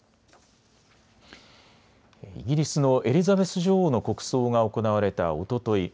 イギリスのエリザベス女王の国葬が行われたおととい